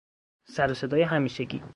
سر و صدای همیشگی